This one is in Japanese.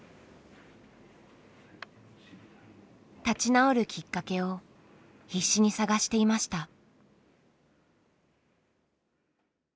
立ち直るきっかけを必死に探していました。